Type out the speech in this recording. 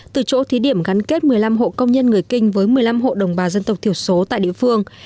từ chỗ thí điểm gắn kết một mươi năm hộ công nhân người kinh với một mươi năm hộ đồng bào dân tộc thiểu số tại địa phương